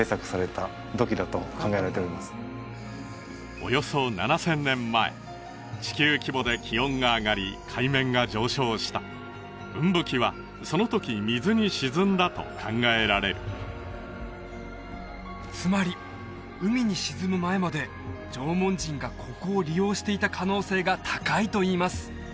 およそ７０００年前地球規模で気温が上がり海面が上昇したウンブキはそのとき水に沈んだと考えられるつまり海に沈む前まで縄文人がここを利用していた可能性が高いといいます